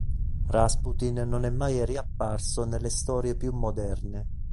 Rasputin non è mai riapparso nelle storie più moderne.